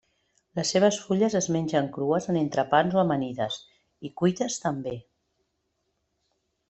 Les seves fulles es mengen crues en entrepans o amanides i cuites també.